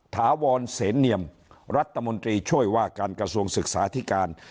ถาวรเสนเนียมรัฐมนตรีช่วยว่าการกระทรวงศึกษาธิการ